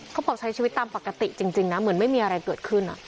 เขาบอกใช้ชีวิตตามปกติจริงนะเหมือนไม่มีอะไรเกิดขึ้น